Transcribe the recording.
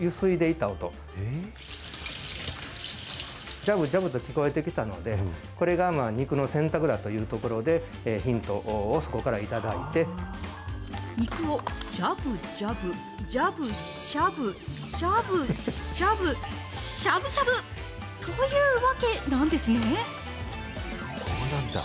じゃぶじゃぶと聞こえてきたので、これが肉の洗濯だということで、肉をじゃぶじゃぶ、じゃぶしゃぶ、しゃぶしゃぶ、しゃぶしゃぶというわけなんですね。